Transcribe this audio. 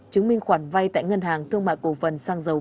chứng minh khoản vay tại ngân hàng thương mại cổ phần